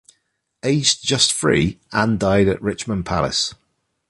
Aged just three, Anne died at Richmond Palace.